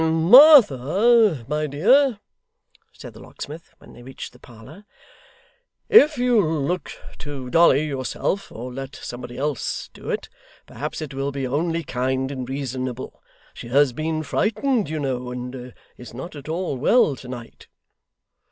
'Martha, my dear,' said the locksmith, when they reached the parlour, 'if you'll look to Dolly yourself or let somebody else do it, perhaps it will be only kind and reasonable. She has been frightened, you know, and is not at all well to night.